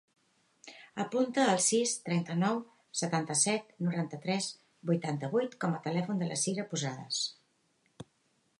Apunta el sis, trenta-nou, setanta-set, noranta-tres, vuitanta-vuit com a telèfon de la Cira Posadas.